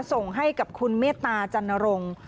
ส่งให้กับคุณเมตตาจันนรงค์